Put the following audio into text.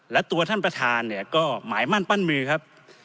และตัวท่านประธานเนี่ยก็หมายมั่นปั้นมือครับ